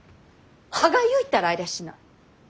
歯がゆいったらありゃしない。